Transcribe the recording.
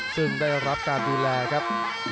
ซึ่งได้รับการดูแลครับ